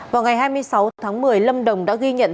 vào ngày hai mươi sáu tháng một mươi lâm đồng đã ghi nhận